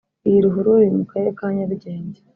Iyi ruhurura iri mu Karere ka Nyarugenge